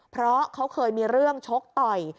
เพราะเขาเคยมีเรื่องชกต่อย